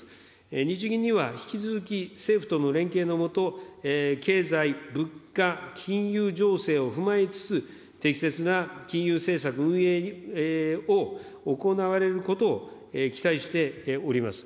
日銀には引き続き、政府との連携の下、経済、物価、金融情勢を踏まえつつ、適切な金融政策運営を行われることを期待しております。